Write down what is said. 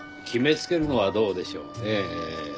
決めつけるのはどうでしょうねぇ。